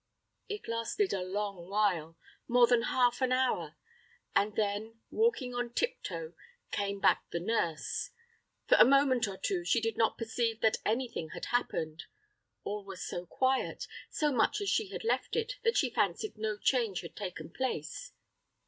It lasted a long while more than half an hour; and then, walking on tip toe, came back the nurse. For a moment or two she did not perceive that any thing had happened. All was so quiet, so much as she had left it, that she fancied no change had taken place.